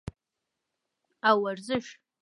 او ورزش